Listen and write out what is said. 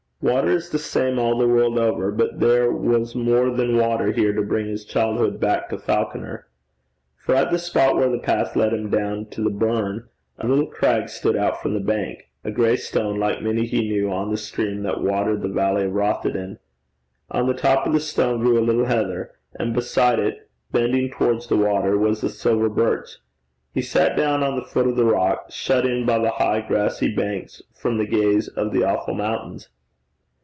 Water is the same all the world over; but there was more than water here to bring his childhood back to Falconer. For at the spot where the path led him down to the burn, a little crag stood out from the bank, a gray stone like many he knew on the stream that watered the valley of Rothieden: on the top of the stone grew a little heather; and beside it, bending towards the water, was a silver birch. He sat down on the foot of the rock, shut in by the high grassy banks from the gaze of the awful mountains.